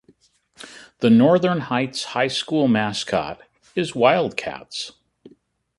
The Northern Heights High School mascot is Wildcats.